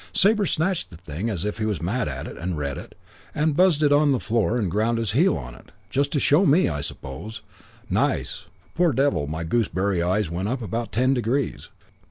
Sabre snatched the thing as if he was mad at it, and read it, and buzzed it on the floor and ground his heel on it. Just to show me, I suppose. Nice! Poor devil, my gooseberry eyes went up about ten degrees.